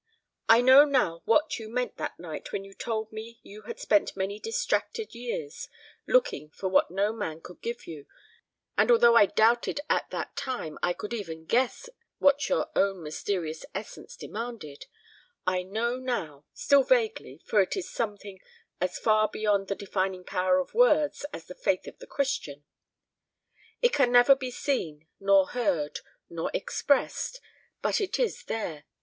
I know now what you meant that night when you told me you had spent many distracted years looking for what no man could give you, and although I doubted at that time I could even guess what your own mysterious essence demanded, I know now still vaguely, for it is something as far beyond the defining power of words as the faith of the Christian. It can never be seen, nor heard, nor expressed, but it is there.